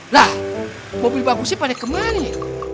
nah mobil bagusnya pada kemana nih